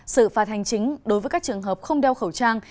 xử phạt hành chính đối với các trường hợp không đeo khẩu trang